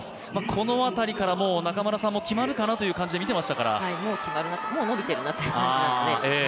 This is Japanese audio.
このあたりから中村さんも決まるかなという感じで見ていましたからもうのびてるなという感じなので。